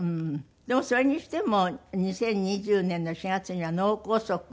でもそれにしても２０２０年の４月には脳梗塞。